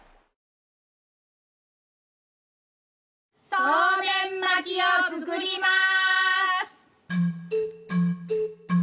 そうめん巻きを作ります。